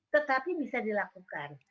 tetapi bisa dilakukan